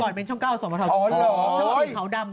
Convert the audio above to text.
ก่อนเป็นช่องเก้าสวรรค์สวรรค์สวรรค์สวรรค์